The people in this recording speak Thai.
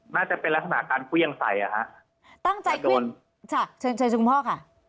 น่าจะเป็นลักษณะการเครื่องใส่อ่ะฮะตั้งใจขึ้นค่ะเชิญเชิญคุณพ่อค่ะ